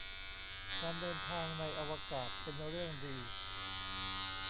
การเดินทางในอวกาศ เป็นเรื่องดี